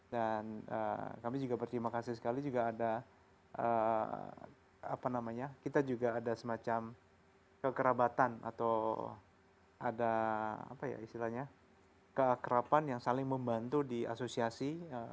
dan kami juga berterima kasih sekali juga ada apa namanya kita juga ada semacam kekerabatan atau ada apa ya istilahnya kekerapan yang saling membantu di asosiasi